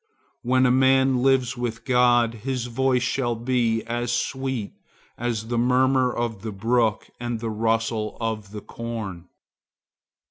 When a man lives with God, his voice shall be as sweet as the murmur of the brook and the rustle of the corn.